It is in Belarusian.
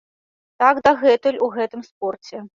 Так дагэтуль у гэтым спорце.